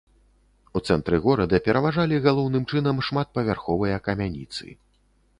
У цэнтры горада пераважалі галоўным чынам шматпавярховыя камяніцы.